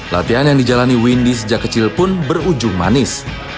latihan yang dijalani windy sejak kecil pun berujung manis